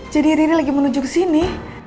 jadi riri lagi menuju kesini